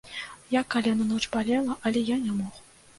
Як калена ноч балела, але я не мог.